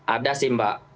ada sih mbak